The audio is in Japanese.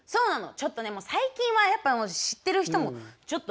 ちょっとねもう最近はやっぱ知ってる人もちょっと。